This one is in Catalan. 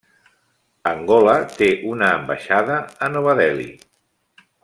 Angola té una ambaixada a Nova Delhi.